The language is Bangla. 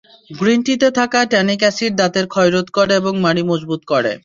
গ্রিন টিতে থাকা ট্যানিক অ্যাসিড দাঁতের ক্ষয়রোধ করে এবং মাড়ি মজবুত করে।